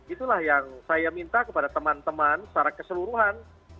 itulah yang saya minta kepada teman teman secara keseluruhan